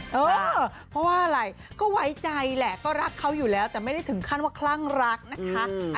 เพราะว่าอะไรก็ไว้ใจแหละก็รักเขาอยู่แล้วแต่ไม่ได้ถึงขั้นว่าคลั่งรักนะคะ